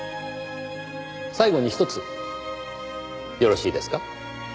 最後にひとつよろしいですか？